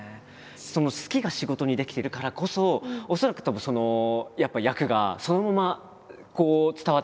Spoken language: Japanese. その「好き」が仕事にできてるからこそ恐らくたぶんその役がそのままこう伝わってくるというか。